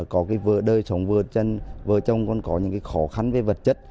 có vợ đời sống vợ chân vợ chồng còn có những khó khăn về vật chất